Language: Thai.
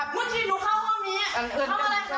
ไม่งั้น